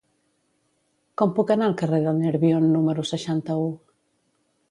Com puc anar al carrer del Nerbion número seixanta-u?